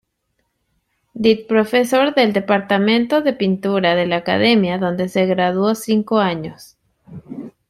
Did profesor del Departamento de pintura de la Academia, donde se graduó cinco años.